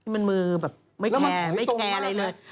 มันมือแบบไม่แคร์ไม่แคร์อะไรเลย